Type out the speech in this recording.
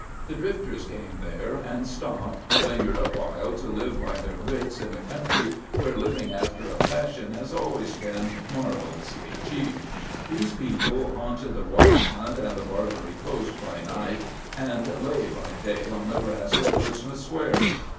The drifters came there and stopped, lingered a while to live by their wits in a country where living after a fashion has always been marvellously cheap. These people haunted the waterfront and the Barbary Coast by night, and lay by day on the grass in Portsmouth Square.